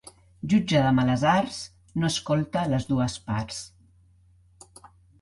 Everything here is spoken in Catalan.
Jutge de males arts no escolta les dues parts.